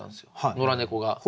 野良猫が。